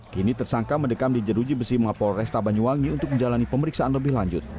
kini tersangka mendekam di jeruji besi mampol restabanyuwangi untuk menjalani pemeriksaan lebih lanjut